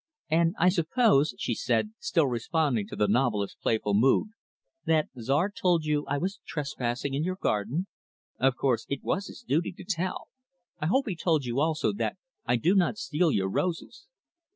"And I suppose," she said, still responding to the novelist's playful mood, "that Czar told you I was trespassing in your garden. Of course it was his duty to tell. I hope he told you, also, that I do not steal your roses."